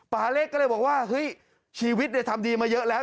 ปาเล็กก็เลยบอกว่าเฮ้ยชีวิตทำดีมาเยอะแล้ว